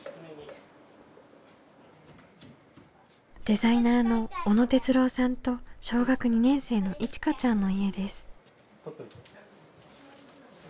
デザイナーの小野哲郎さんと小学２年生のいちかちゃんの家です。